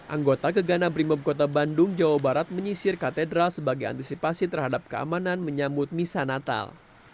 anggota gegana brimob kota bandung jawa barat menyisir katedral sebagai antisipasi terhadap keamanan menyambut misa natal